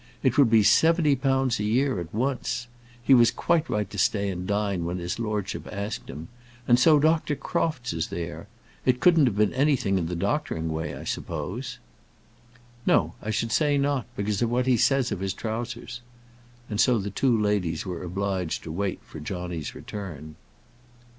It would be seventy pounds a year at once. He was quite right to stay and dine when his lordship asked him. And so Dr. Crofts is there. It couldn't have been anything in the doctoring way, I suppose." "No, I should say not; because of what he says of his trowsers." And so the two ladies were obliged to wait for John's return.